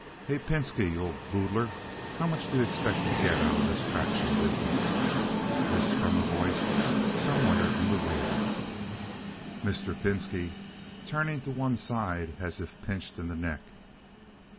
"Hey, Pinski! You old boodler! How much do you expect to get out of this traction business?" (This from a voice somewhere in the rear.) Mr. Pinski (turning to one side as if pinched in the neck).